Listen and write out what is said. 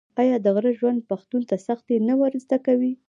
آیا د غره ژوند پښتون ته سختي نه ور زده کوي؟